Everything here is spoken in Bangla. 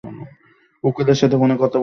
উকিলের সাথে ফোনে কথা বলছিলাম।